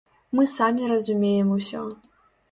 Мы самі разумеем усё.